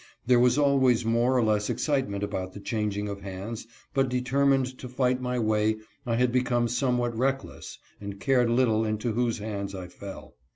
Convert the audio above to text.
There was always more or less excite ment about the changing of hands, but determined to fight my way, I had become somewhat reckless and cared little into whose hands I fell.